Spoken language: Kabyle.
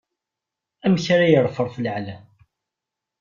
Amek ara iṛefṛef leɛlam?